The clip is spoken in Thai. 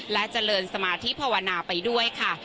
และเจริญสมาธิภาวนาไปด้วยค่ะ